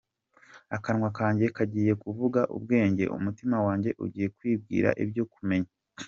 Akanwa kanjye kagiye kuvuga ubwenge, Umutima wanjye ugiye kwibwira ibyo kumenya.